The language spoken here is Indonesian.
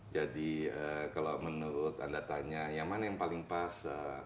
jadi kalau menurut anda tanya yang mana yang paling pas